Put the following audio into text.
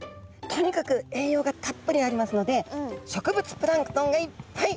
とにかく栄養がたっぷりありますので植物プランクトンがいっぱい！